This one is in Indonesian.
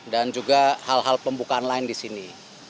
dan juga hal hal pembukaan lain di sini